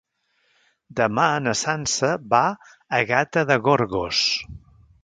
Demà na Sança va a Gata de Gorgos.